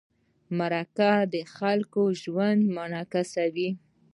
مرکه د خلکو ژوند منعکسوي.